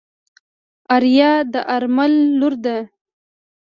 آريا د آرمل لور ده.